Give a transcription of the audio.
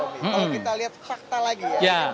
kalau kita lihat fakta lagi ya